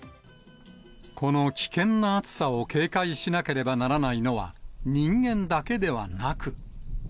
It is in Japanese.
この危険な暑さを警戒しなければならないのは、人間だけではなく。